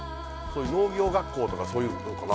農業学校とかそういうことかな？